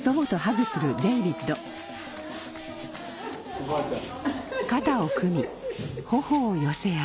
おばあちゃん。